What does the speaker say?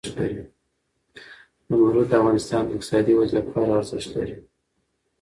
زمرد د افغانستان د اقتصادي ودې لپاره ارزښت لري.